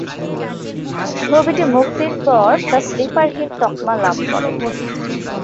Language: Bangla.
ছবিটি মুক্তির পর তা স্লিপার হিট তকমা লাভ করে।